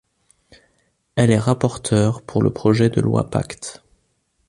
Elle est rapporteure pour le projet de loi Pacte.